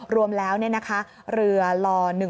รวมแล้วเรือล๑๒